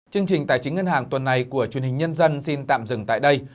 chương trình tài chính ngân hàng tuần này của truyền hình nhân dân xin tạm dừng tại đây